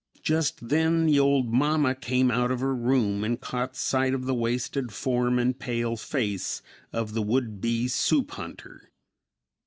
Just then the old "mamma" came out of her room and caught sight of the wasted form and pale face of the would be soup hunter.